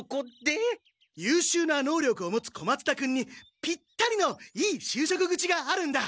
ゆうしゅうな能力を持つ小松田君にぴったりのいいしゅうしょく口があるんだ！